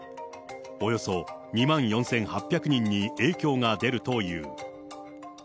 およそ２万４８００人に影響が出るという。